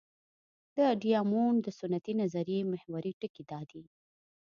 د ډیامونډ د سنتي نظریې محوري ټکی دا دی.